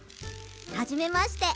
はじめまして。